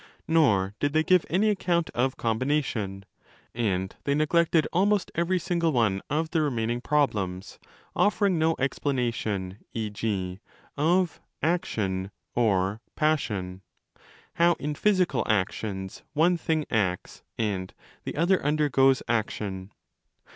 Nor did they give any, account of 'combination': and they neg lected almost every single one of the remaining problems, _ offering no explanation, e. g., of 'action' or ' passion '—how 5 in physical actions one thing acts and the other undergoes action.